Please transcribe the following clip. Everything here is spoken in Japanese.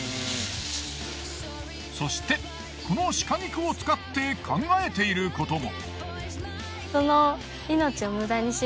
そしてこの鹿肉を使って考えていることも。